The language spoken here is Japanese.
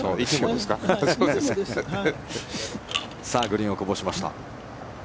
さあグリーンをこぼしました。